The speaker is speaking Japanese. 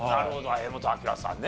柄本明さんね。